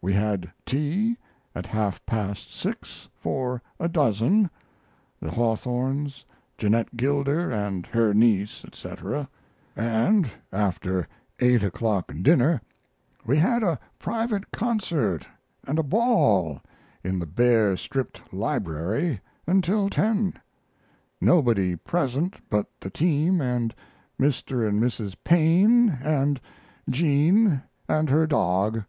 We had tea at half past six for a dozen the Hawthornes, Jeannette Gilder, and her niece, etc.; and after 8 o'clock dinner we had a private concert and a ball in the bare stripped library until 10; nobody present but the team and Mr. and Mrs. Paine and Jean and her dog.